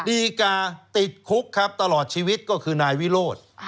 ดีกาติดคุกครับตลอดชีวิตก็คือนายวิโรธ